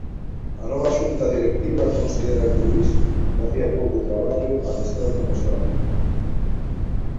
A nova xunta directiva considera que Luís facía pouco traballo adestrándome só a min.